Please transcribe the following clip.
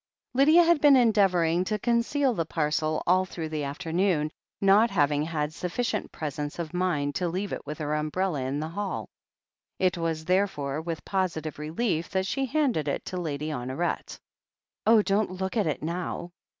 Lydia had been endeavouring to conceal the parcel all through the afternoon, not having had sufficient presence of mind to leave it with her umbrella in the hall. It was therefore with positive relief that she handed it to Lady Honoret. "Oh, don't look at it now!''